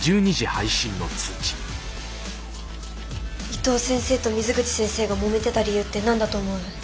伊藤先生と水口先生がもめてた理由って何だと思う？